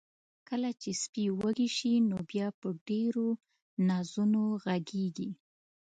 کله چې سپی وږي شي، نو بیا په ډیرو نازونو غږیږي.